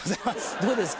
どうですか？